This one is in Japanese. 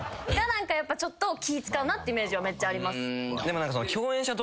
やっぱちょっと気ぃ使うなってイメージはめっちゃあります。